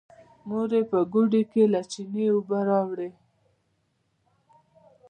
مور يې په ګوډي کې له چينې اوبه راوړې.